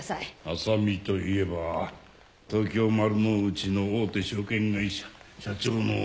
麻実といえば東京丸の内の大手証券会社社長の御曹司。